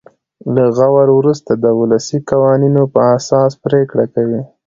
له غور وروسته د ولسي قوانینو په اساس پرېکړه کوي.